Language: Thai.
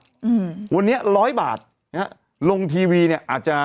อืมวันนี้๑๐๐บาทลงทีวีเนี่ยอาจจะ